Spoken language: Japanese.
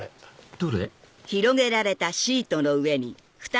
どれ？